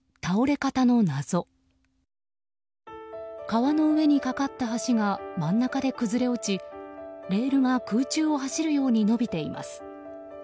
川の上に架かった橋が真ん中で崩れ落ちレールが空中を走るように伸びています。